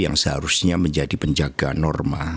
yang seharusnya menjadi penjaga norma